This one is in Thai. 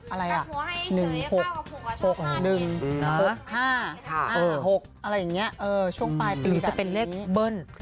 อะไรอ่ะ๑๖๑๕๖อะไรอย่างนี้ช่วงปลายปีแบบนี้จะเป็นเลขเบิ้ล